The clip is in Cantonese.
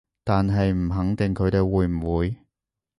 但係唔肯定佢哋會唔會